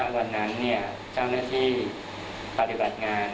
วันนั้นเจ้าหน้าที่ปฏิบัติงาน